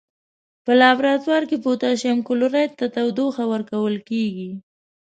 په لابراتوار کې پوتاشیم کلوریت ته تودوخه ورکول کیږي.